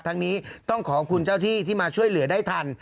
ทั้งนี้ต้องขอบคุณเจ้าที่ที่มาช่วยเหลือได้ทัน